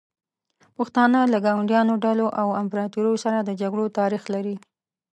پښتانه له ګاونډیو ډلو او امپراتوریو سره د جګړو تاریخ لري.